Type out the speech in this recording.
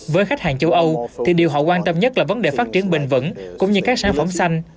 với khách hàng châu âu thì điều họ quan tâm nhất là vấn đề phát triển bền vững cũng như các sản phẩm xanh